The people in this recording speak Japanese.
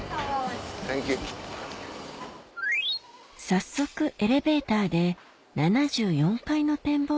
早速エレベーターで７４階の展望